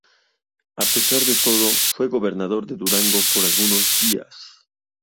A pesar de todo, fue gobernador de Durango por algunos días.